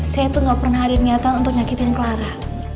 saya tuh gak pernah ada nyata untuk nyakitin clara